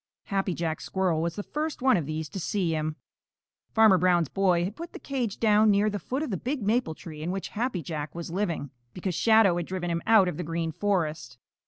Happy Jack Squirrel was the first one of these to see him. Farmer Brown's boy had put the cage down near the foot of the big maple tree in which Happy Jack was living, because Shadow had driven him out of the Green Forest.